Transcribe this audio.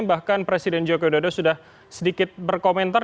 bahkan presiden joko widodo sudah sedikit berkomentar